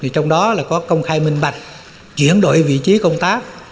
trong đó có công khai minh bạch chuyển đổi vị trí công tác